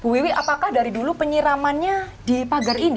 wiwi apakah dari dulu penyiramannya di pagar ini